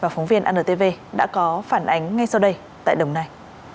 phóng viên anntv đã có phản ánh ngay sau đây tại đồng nai